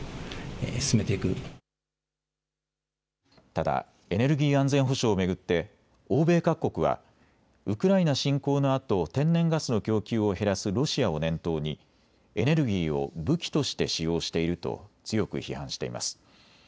ただエネルギー安全保障を巡って欧米各国はウクライナ侵攻のあと天然ガスの供給を減らすロシアを念頭にエネルギーを武器として使用していると強く批判しています。